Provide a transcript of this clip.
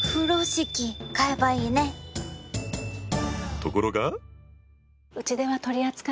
ところが。